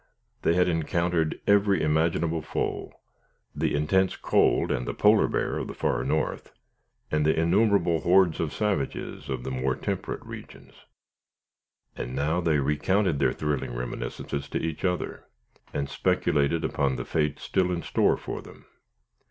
They had encountered every imaginable foe: the intense cold and the polar bear of the far North, and the innumerable hordes of savages of the more temperate regions; and now they recounted their thrilling reminiscences to each other, and speculated upon the fate still in store for them.